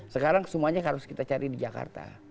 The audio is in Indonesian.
sekarang semuanya harus kita cari di jakarta